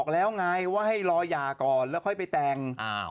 แล้วไงว่าให้รอหย่าก่อนแล้วค่อยไปแต่ง